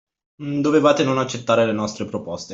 Dovevate non accettare le nostre proposte.